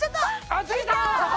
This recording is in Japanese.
あっついた！